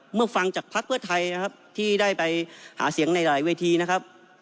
ฟังจากภักดิ์เพื่อไทยนะครับที่ได้ไปหาเสียงในหลายเวทีนะครับ